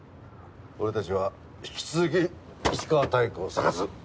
俺たちは引き続き石川妙子を捜す。